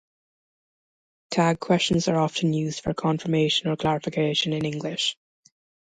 Tag questions are often used for confirmation or clarification in English.